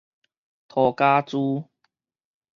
塗跤苴